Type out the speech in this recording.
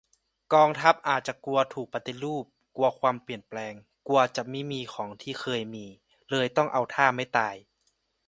กองทัพอาจจะกลัวถูกปฏิรูป กลัวความเปลี่ยนแปลง กลัวจะไม่มีของที่เคยมี เลยต้องเอาท่าไม้ตาย